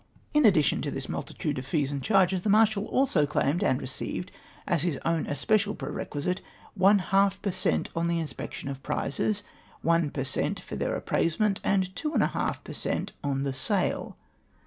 ! In addition to this multitude of fees and charo es, the Marshal also claimed, and received as his own especial perquisite, one liaJf per cent on the inspection of prizes, one per cent for their appraisement, and two and a half per cent on the sale.